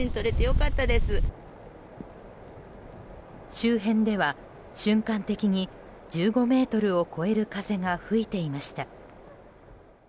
周辺では瞬間的に１５メートルを超える風が吹いていました。